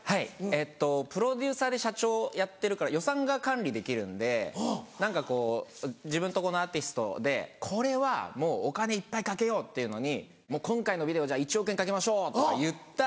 プロデューサーで社長をやってるから予算が管理できるんで何かこう自分とこのアーティストでこれはもうお金いっぱいかけようっていうのにもう「今回のビデオじゃあ１億円かけましょう」とか言った。